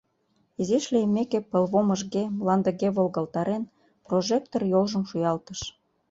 Изиш лиймеке, пылвомышге, мландыге волгалтарен, прожектор йолжым шуялтыш.